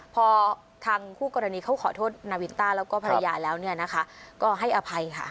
พอทางคู่กรณีเขาขอโทษนาวินต้าแล้วก็ภรรยาแล้วเนี่ยนะคะก็ให้อภัยค่ะ